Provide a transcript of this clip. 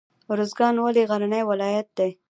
ارزګان ولې غرنی ولایت دی؟